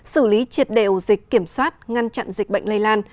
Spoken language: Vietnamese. xử lý triệt đều dịch kiểm soát ngăn chặn dịch bệnh lây lan